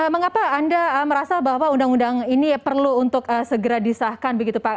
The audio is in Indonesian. mengapa anda merasa bahwa undang undang ini perlu untuk segera disahkan begitu pak